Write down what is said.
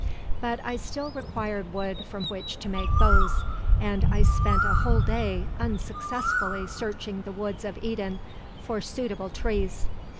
But I still required wood from which to make bows, and I spent a whole day unsuccessfully searching the woods of Eden for suitable trees.